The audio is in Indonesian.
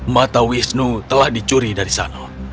mata wisnu telah dicuri dari sana